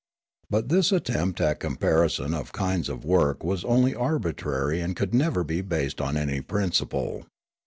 But this attempt at comparison of kinds of work was only arbitrary and could never be based on any principle.